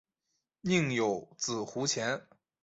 宁有子胡虔。